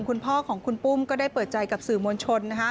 คุณพ่อของคุณปุ้มก็ได้เปิดใจกับสื่อมวลชน